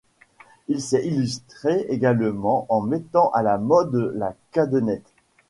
Il s'est illustré également en mettant à la mode la cadenette.